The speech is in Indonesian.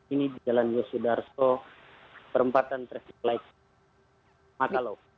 ini di jalan yosudarso perempatan tresiklaik matalow